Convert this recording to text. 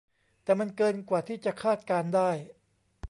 แต่มันเกินกว่าที่จะคาดการณ์ได้